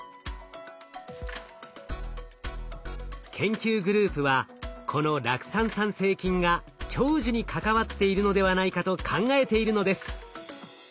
研究グループはこの酪酸産生菌が長寿に関わっているのではないかと考えているのです。